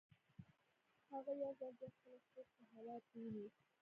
هغه یو ځل بیا خپله سوک په هوا کې ونیو